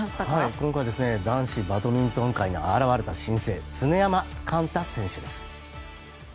今回は男子バドミントン界に現れた新星常山幹太選手です。